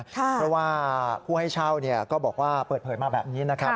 เพราะว่าผู้ให้เช่าก็บอกว่าเปิดเผยมาแบบนี้นะครับ